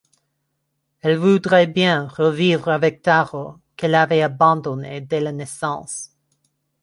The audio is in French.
Elle voudrait bien revivre avec Tarô qu'elle avait abandonné dès la naissance...